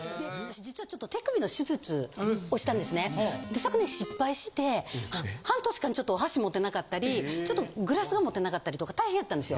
昨年失敗して半年間ちょっとお箸持てなかったりグラスが持てなかったりとか大変やったんですよ。